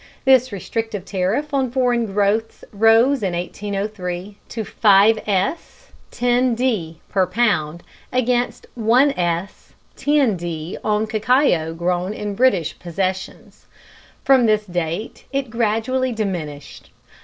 This restrictive tariff on foreign growths rose in 1803 to 5s. 10d. per pound, against 1s. 10d. on cacao grown in British possessions. From this date it gradually diminished.